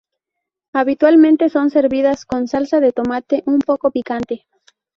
Habitualmente son servidas con salsa de tomate un poco picante.